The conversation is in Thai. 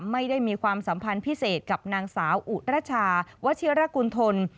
ไม่ได้มีความสัมพันธ์พิเศษกับนางสาวอุรชาวัชิรกุณฑล